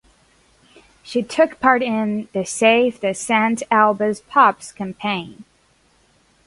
She took part in the "Save the St Albans Pubs" campaign.